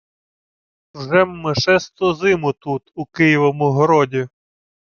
— Вже-м шесту зиму тут, у Києвому гроді.